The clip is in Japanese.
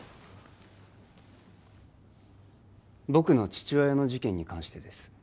僕の父親の事件に関してです